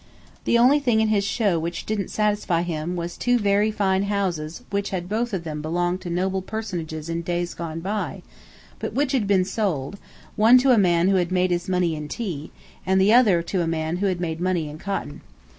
The only thing in his show which didn't satisfy him was two very fine houses which had both of them belonged to noble personages in days gone by, but which had been sold, one to a man who had made his money in tea, and the other to a man who had made money in cotton.